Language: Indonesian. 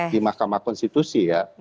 di mahkamah konstitusi ya